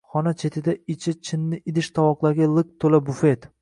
Xona chetida ichi chinni idish-tovoqlarga liq toʼla bufet.